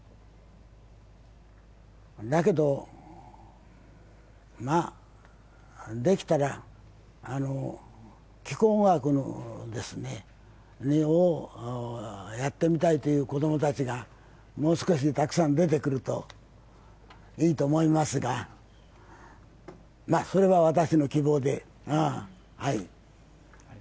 だけど、できたら気候学をやってみたいという子供たちがもう少したくさん出てくるといいと思いますがそれは私の希望で、はい。